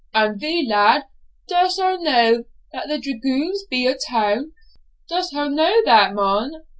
'And thee, lad, dost ho know that the dragoons be a town? dost ho know that, mon?